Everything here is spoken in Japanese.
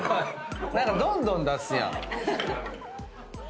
何かどんどん出すやん。